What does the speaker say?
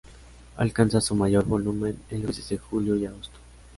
Alcanza su mayor volumen en los meses de julio y agosto.